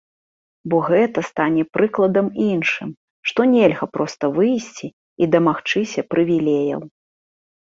Бо гэта стане прыкладам іншым, што нельга проста выйсці і дамагчыся прывілеяў.